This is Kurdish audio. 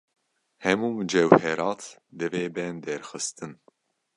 Hemû mucewherat divê bên derxistin.